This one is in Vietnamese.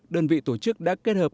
đơn vị tổ chức đã kết hợp